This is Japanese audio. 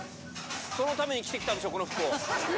そのために着てきたんでしょ、この服を。